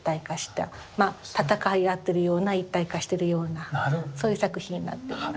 まあ戦い合ってるような一体化してるようなそういう作品になってます。